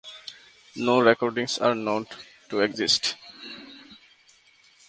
No recordings are known to exist.